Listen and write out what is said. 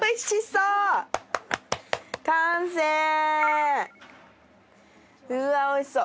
うわおいしそう！